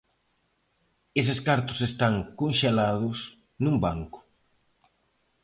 Eses cartos están 'conxelados' nun banco.